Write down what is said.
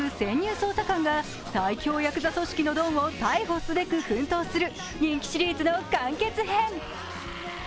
捜査官が最凶ヤクザ組織のドンを逮捕すべく奮闘する人気シリーズの完結編。